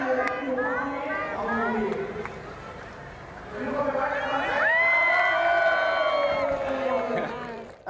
โอ้โฮโอ้โฮโอ้โฮ